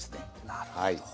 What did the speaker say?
なるほど。